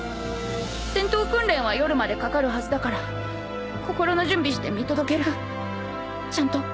戦闘訓練は夜までかかるはずだから心の準備して見届けるちゃんと。